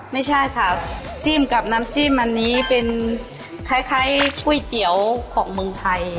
ไม่ใช่ค่ะจิ้มกับน้ำจิ้มอันนี้เป็นคล้ายก๋วยเตี๋ยวของเมืองไทย